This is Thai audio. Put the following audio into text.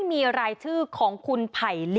ทีนี้จากรายทื่อของคณะรัฐมนตรี